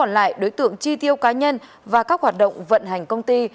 lại đối tượng chi tiêu cá nhân và các hoạt động vận hành công ty